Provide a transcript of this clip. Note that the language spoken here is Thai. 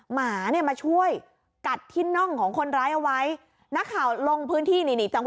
หมาเนี่ยมาช่วยกัดที่น่องของคนร้ายเอาไว้นักข่าวลงพื้นที่นี่นี่จังห